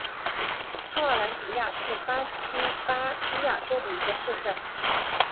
特奥兰迪亚是巴西巴伊亚州的一个市镇。